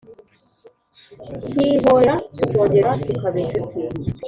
Nkihorera tukongera tukaba inshuti